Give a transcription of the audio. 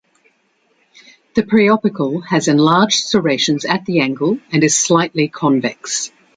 The preopercle has enlarged serrations at the angle and is slightly convex.